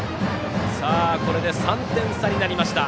これで３点差になりました。